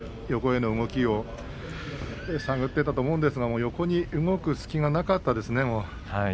翔猿もなんとか横への動きを押し返して探っていたと思うんですが横へ動く隙がなかったですね。